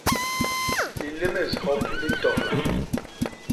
Lilémés hop li ntohla.